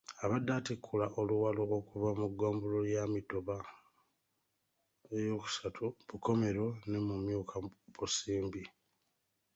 Abadde atikkula Oluwalo okuva mu ggombolola ya Mituba III Bukomero ne Mumyuka-Busimbi